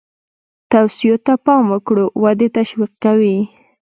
توصیو ته پام وکړو ودې تشویقوي.